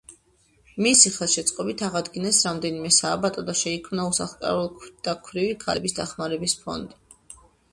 მისი ხელშეწყობით აღადგინეს რამდენიმე სააბატო და შეიქმნა უსახლკარო და ქვრივი ქალების დახმარების ფონდი.